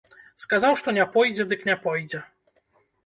Сказаў, што не пойдзе, дык не пойдзе.